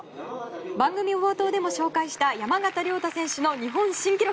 番組冒頭でも紹介した山縣亮太選手の日本新記録。